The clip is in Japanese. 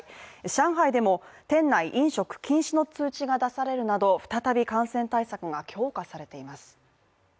上海でも店内飲食禁止の通知が出されるなど再び感染対策が強化されています。